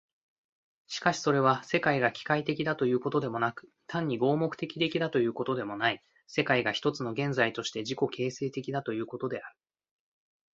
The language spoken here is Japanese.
しかしそれは、世界が機械的だということでもなく、単に合目的的だということでもない、世界が一つの現在として自己形成的だということである。